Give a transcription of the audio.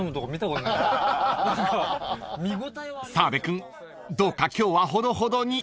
［澤部君どうか今日はほどほどに］